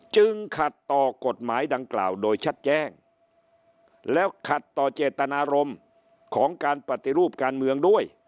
จึงขัดต่อกฎหมายดังกล่าวโดยชัดแจ้ง